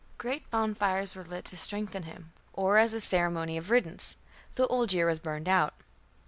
Great bonfires were lit to strengthen him, or as a ceremony of riddance; the old year was burned out.